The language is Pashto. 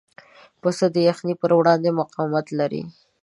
پسه د یخنۍ پر وړاندې مقاومت لري.